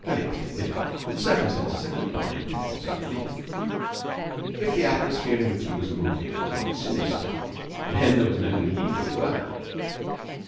And it must be admitted that circumstances had combined to help his belief. If the atmosphere in which he was moving was not sinister then there was no meaning in the word.